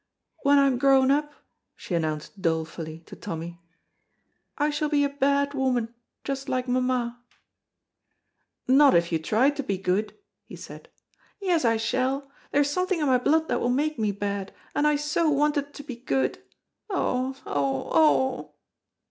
"When I am grown up," she announced dolefully, to Tommy, "I shall be a bad woman, just like mamma." "Not if you try to be good," he said. "Yes, I shall. There is something in my blood that will make me bad, and I so wanted to be good. Oh! oh! oh!"